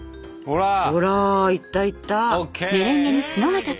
ほらいったいった！ＯＫ！